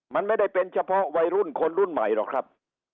มันไม่ได้เป็นเฉพาะวัยรุ่นคนรุ่นใหม่หรอกครับ